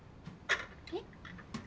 えっ？